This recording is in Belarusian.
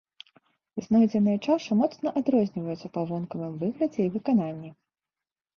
Знойдзеныя чашы моцна адрозніваюцца па вонкавым выглядзе і выкананні.